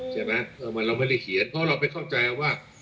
ใช่ไหมเราไม่ได้เขียนเพราะเราไปเข้าใจว่า